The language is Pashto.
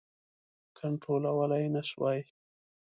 کنټرولولای نه سوای.